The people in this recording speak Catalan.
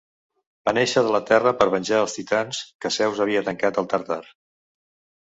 Van néixer de la terra per venjar els Titans, que Zeus havia tancat al Tàrtar.